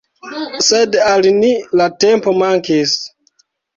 Sed al ni, la tempo mankis.